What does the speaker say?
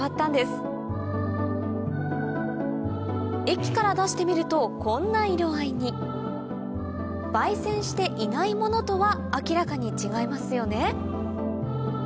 液から出してみるとこんな色合いに媒染していないものとは明らかに違いますよね